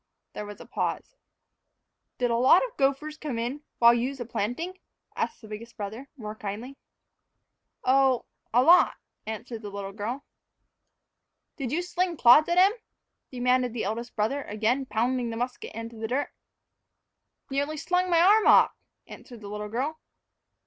There was a pause. "Did a lot of gophers come in while you's a planting?" asked the biggest brother, more kindly. "Oh, a lot," answered the little girl. "Did you sling clods at 'em?" demanded the eldest brother, again pounding the musket into the dirt. "Nearly slung my arm off," answered the little girl.